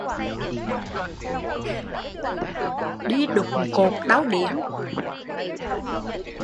Đi đụng cột đau điếng